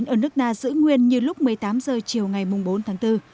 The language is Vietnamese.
ở nước ta giữ nguyên như lúc một mươi tám giờ chiều ngày bốn tháng bốn